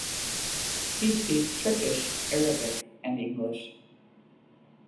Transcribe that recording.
He speaks Turkish, Arabic and English.